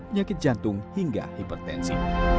nyakit jantung hingga hipertensi